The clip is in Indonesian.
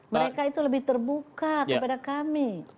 mereka itu lebih terbuka kepada kami